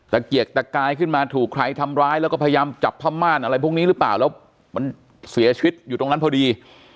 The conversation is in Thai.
เกียกตะกายขึ้นมาถูกใครทำร้ายแล้วก็พยายามจับผ้าม่านอะไรพวกนี้หรือเปล่าแล้วมันเสียชีวิตอยู่ตรงนั้นพอดี